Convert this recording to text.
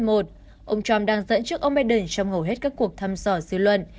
ông trump đang dẫn trước ông biden trong hầu hết các cuộc thăm dò dư luận